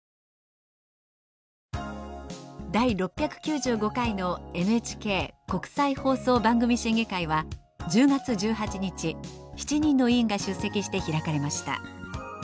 第６９５回のＮＨＫ国際放送番組審議会は１０月１８日７人の委員が出席して開かれました。